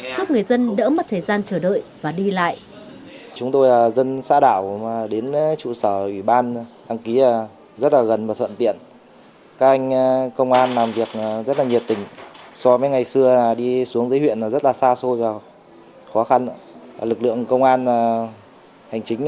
giúp người dân đỡ mất thời gian chờ đợi và đi lại